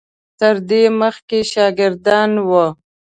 تر دې مخکې شاګردان وو.